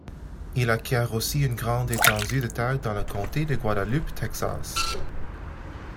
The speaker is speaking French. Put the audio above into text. Il acquiert aussi une grande étendue de terre dans le comté de Guadalupe, Texas.